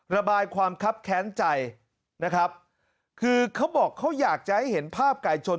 ระบายความคับแค้นใจนะครับคือเขาบอกเขาอยากจะให้เห็นภาพไก่ชน